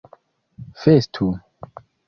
festu